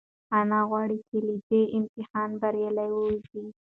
انا غواړي چې له دې امتحانه بریالۍ ووځي.